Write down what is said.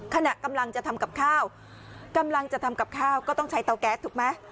ขณะกำลังจะทำกับข้าวกำลังจะทำกับข้าวก็ต้องใช้เตาแก๊สถูกไหม